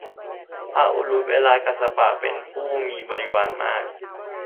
พระอุรุเวลกัสสปะ เป็นผู้มีบริวารมาก